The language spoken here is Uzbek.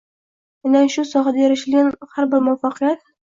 Aynan shu sohada erishilgan har bir muvaffaqiyat